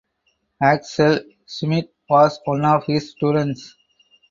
Axel Schmidt was one of his students.